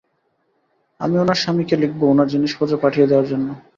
আমি উনার স্বামীকে লিখবো উনার জিনিসপত্র পাঠিয়ে দেওয়ার জন্য।